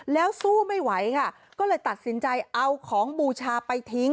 แล้วสู้ไม่ไหวค่ะก็เลยตัดสินใจเอาของบูชาไปทิ้ง